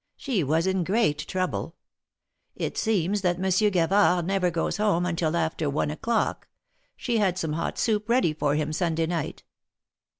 She was in great trouble. It seems that Monsieur Gavard never goes home until after one o'clock — she had some hot soup ready for him Sunday night.